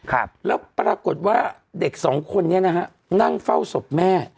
แล้วปรากฏว่าเด็ก๒คนนี้นะนั่งเฝ้าศพแม่